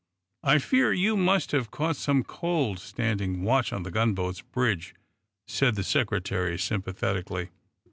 "I fear you must have caught some cold, standing watch on the gunboat's bridge," said the Secretary, sympathetically.